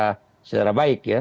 dan kita lakukan itu secara baik ya